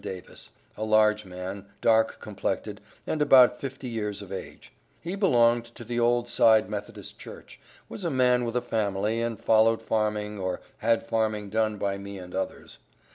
Davis, a large man, dark complected, and about fifty years of age; he belonged to the old side Methodist Church, was a man with a family, and followed farming, or had farming done by me and others.